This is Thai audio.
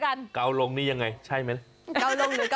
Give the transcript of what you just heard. ถ้าเกาลงนี่อะไรถ้าเกาขึ้น